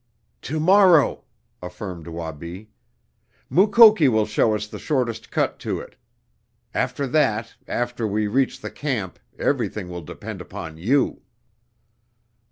"To morrow," affirmed Wabi. "Mukoki will show us the shortest cut to it. After that, after we reach the camp, everything will depend upon you."